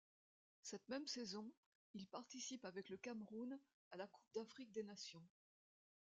Cette même saison, il participe avec le Cameroun à la coupe d'Afrique des nations.